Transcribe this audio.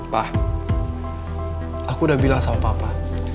pak aku udah bilang sama papa